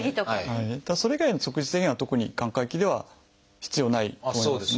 ただそれ以外の食事制限は特に寛解期では必要ないと思いますね。